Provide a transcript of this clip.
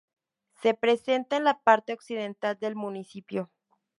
Se presenta en la parte occidental del municipio.